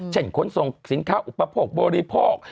ขนส่งสินค้าอุปโภคบริโภค